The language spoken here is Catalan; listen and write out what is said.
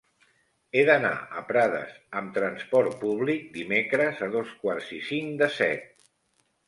He d'anar a Prades amb trasport públic dimecres a dos quarts i cinc de set.